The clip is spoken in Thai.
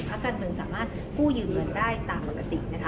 ภาคการเมืองสามารถคู่ยืมเงินได้ตามปกติ